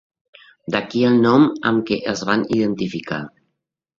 D'aquí el nom amb què es van identificar.